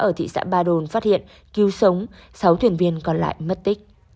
ở thị xã ba đồn phát hiện cứu sống sáu thuyền viên còn lại mất tích